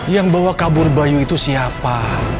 yang bawa kabur bayu itu siapa